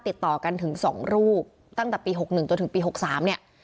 ติดต่อกันถึงสองรูปตั้งแต่ปีหกหนึ่งจนถึงปีหกสามเนี่ย